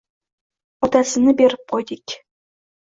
Otasini berib qo`ydik